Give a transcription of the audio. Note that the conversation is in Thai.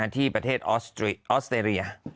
ที่ประเทศออสเตรีย